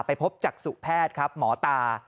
พบจักษุแพทย์ครับหมอตา